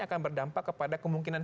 akan berdampak kepada kemungkinan